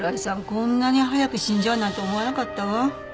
こんなに早く死んじゃうなんて思わなかったわ。